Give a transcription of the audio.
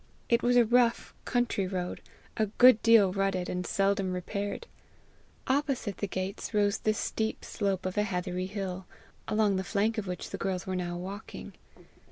It was a rough, country road, a good deal rutted, and seldom repaired. Opposite the gates rose the steep slope of a heathery hill, along the flank of which the girls were now walking.